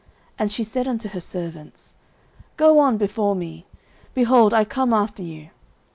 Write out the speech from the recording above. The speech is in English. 09:025:019 And she said unto her servants, Go on before me; behold, I come after you.